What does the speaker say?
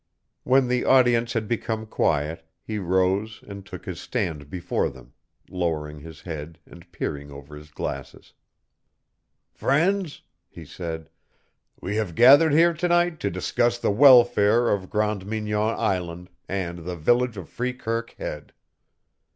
When the audience had become quiet he rose and took his stand before them, lowering his head and peering over his glasses. "Friends," he said, "we have gathered here to night to discuss the welfare of Grande Mignon Island and the village of Freekirk Head."